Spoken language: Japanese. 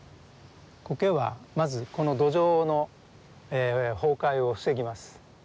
コケはまずこの土壌の崩壊を防ぎます。